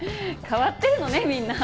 変わってるのねみんな。